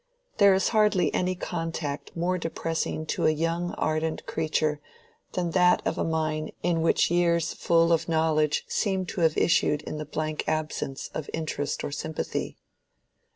There is hardly any contact more depressing to a young ardent creature than that of a mind in which years full of knowledge seem to have issued in a blank absence of interest or sympathy.